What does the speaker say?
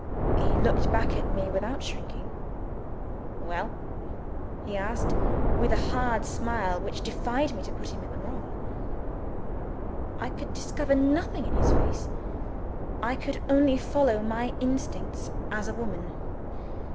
He looked back at me, without shrinking. "Well?" he asked with a hard smile which defied me to put him in the wrong. I could discover nothing in his face I could only follow my instincts as a woman.